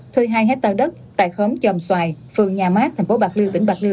thuê hai hectare đất tại khóm chòm xoài phường nhà mát thành phố bạc liêu tỉnh bạc liêu